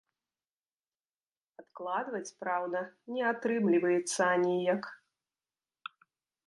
Адкладваць, праўда, не атрымліваецца аніяк.